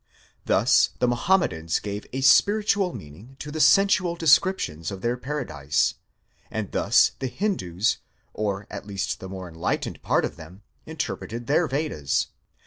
Thus the Mahometans gave a spiritual meaning to the sensual descriptions of their paradise, and thus the Hindoos, or at least the more enlightened part of them, interpreted their Vedas.